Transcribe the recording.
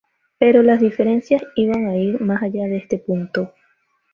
Pero las diferencias iban a ir más allá de este punto.